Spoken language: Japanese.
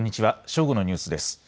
正午のニュースです。